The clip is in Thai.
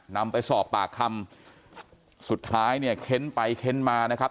นำไปสอบปากคำสุดท้ายเนี่ยเค้นไปเค้นมานะครับ